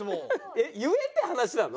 えっ言えって話なの？